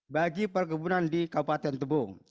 bagi perkebunan di kabupaten tebung